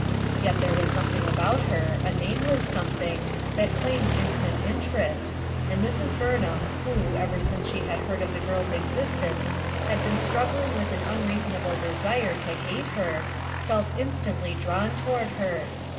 Yet there was something about her, a nameless something, that claimed instant interest, and Mrs. Burnbam, who, ever since she had heard of the girl's existence, had been struggling with an unreasonable desire to hate her, felt instantly drawn toward her.